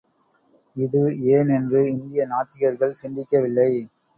இது ஏன் என்று இந்திய நாத்திகர்கள் சிந்திக்கவில்லை.